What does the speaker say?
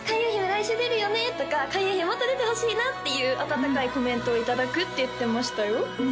来週出るよね？」とか「開運姫もっと出てほしいな」っていう温かいコメントをいただくって言ってましたよ